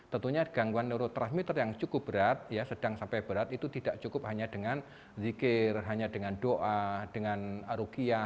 tentunya gangguan neurotransmitter yang cukup berat sedang sampai berat itu tidak cukup hanya dengan zikir hanya dengan doa dengan arukiah